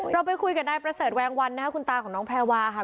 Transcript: เราไปคุยกับนายประเสริฐแวงวันนะครับคุณตาของน้องแพรวาค่ะ